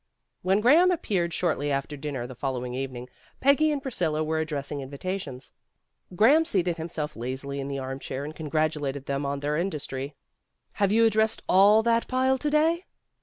When Graham appeared shortly after dinner the following evening, Peggy and Priscilla were addressing invitations. Graham seated him self lazily in the arm chair and congratulated them on their industry. "Have you addressed all that pile to day?"